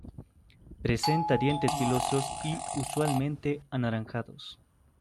Presenta dientes filosos y usualmente anaranjados.